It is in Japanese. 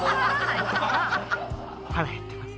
腹減ってます。